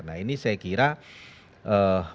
nah ini saya kira pekerjaan rumah yang mesti dituntutkan